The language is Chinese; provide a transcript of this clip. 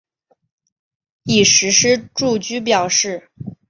已实施住居表示。